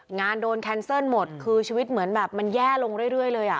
งานโดนแคนเซิลหมดคือชีวิตเหมือนแบบมันแย่ลงเรื่อยเลยอ่ะ